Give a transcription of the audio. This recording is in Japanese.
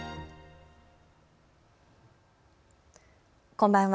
こんばんは。